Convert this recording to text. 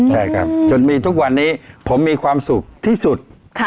ใช่ครับจนมีทุกวันนี้ผมมีความสุขที่สุด